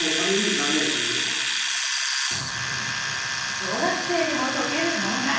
小学生でも解ける問題。